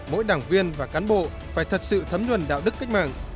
mỗi đảng viên và cán bộ phải thật sự thấm nhuần đạo đức cách mạng